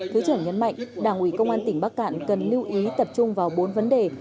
thứ trưởng nhấn mạnh đảng ủy công an tỉnh bắc cạn cần lưu ý tập trung vào bốn vấn đề